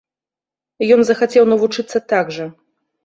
Ён захацеў навучыцца так жа.